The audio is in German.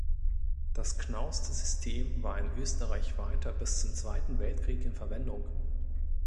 Das Knaust-System war in Österreich weiter bis zum Zweiten Weltkrieg in Verwendung.